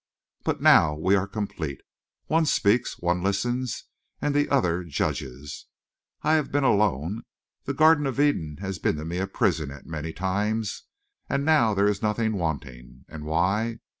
But now we are complete. One speaks, one listens, and the other judges. I have been alone. The Garden of Eden has been to me a prison, at many times. And now there is nothing wanting. And why?